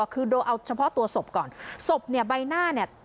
คือดูเอาเฉพาะตัวศพก่อนศพเนี่ยใบหน้าเนี่ย